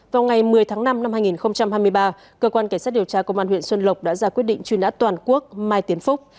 vào ngày một mươi tháng năm năm hai nghìn hai mươi ba cơ quan cảnh sát điều tra công an huyện xuân lộc đã ra quyết định truy nã toàn quốc mai tiến phúc